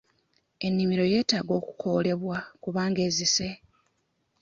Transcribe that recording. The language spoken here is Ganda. Ennimiro yeetaaga okukoolebwa kubanga ezise.